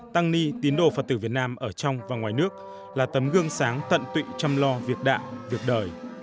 tăng ni tín đồ phật tử việt nam ở trong và ngoài nước là tấm gương sáng tận tụy chăm lo việc đạo việc đời